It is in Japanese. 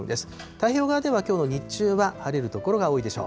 太平洋側ではきょうの日中は晴れる所が多いでしょう。